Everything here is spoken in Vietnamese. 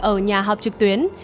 ở nhà học trực tuyến